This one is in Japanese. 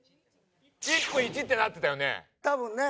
１分１ってなってたよね。